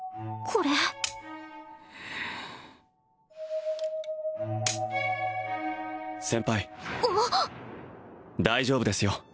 これ先輩大丈夫ですよ